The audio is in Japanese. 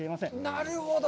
なるほど。